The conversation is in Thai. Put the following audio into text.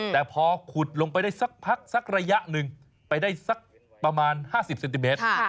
แต่พอขุดลงไปได้สักพักสักระยะหนึ่งไปได้สักประมาณ๕๐เซนติเมตร